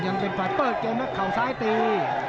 ยังเป็นพลาดเปิ้ลเกมนะเขาซ้ายตี